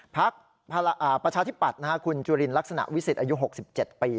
พักประชาธิปัตย์คุณจุลินลักษณะวิสิตอายุ๖๗ปี